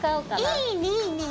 いいねいいね。